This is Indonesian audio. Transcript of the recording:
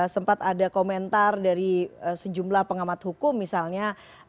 sempat ada komentar dari sejumlah pengamat hukum misalnya